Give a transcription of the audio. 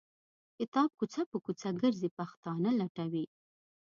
کتاب کوڅه په کوڅه ګرځي پښتانه لټوي.